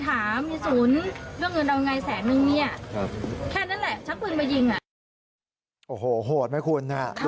หัวโดยฉักปืนนี่จิวแย่งกันนะครับ